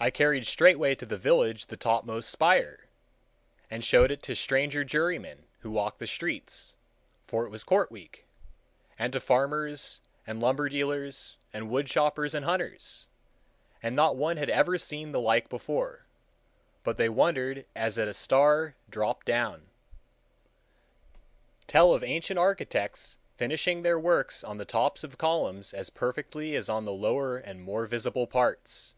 I carried straightway to the village the topmost spire, and showed it to stranger jurymen who walked the streets,—for it was court week—and to farmers and lumber dealers and wood choppers and hunters, and not one had ever seen the like before, but they wondered as at a star dropped down. Tell of ancient architects finishing their works on the tops of columns as perfectly as on the lower and more visible parts!